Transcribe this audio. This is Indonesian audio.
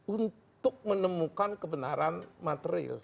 untuk menemukan kebenaran materil